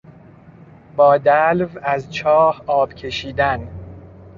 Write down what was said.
با دلو از چاه آب کشیدن